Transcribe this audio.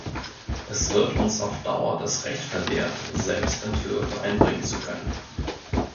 Es wird uns auf Dauer das Recht verwehrt, selbst Entwürfe einbringen zu können.